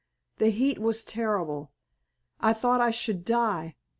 The heat was terrible. I thought I should die.